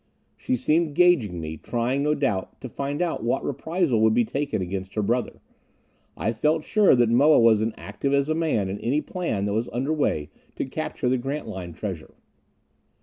She seemed gauging me, trying, no doubt, to find out what reprisal would be taken against her brother. I felt sure that Moa was as active as a man in any plan that was under way to capture the Grantline treasure.